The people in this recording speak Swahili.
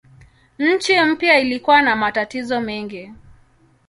Nchi mpya ilikuwa na matatizo mengi.